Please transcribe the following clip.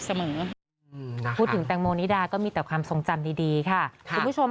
พูดถึงแตงโมนิดาก็มีแต่ความทรงจำดีค่ะคุณผู้ชม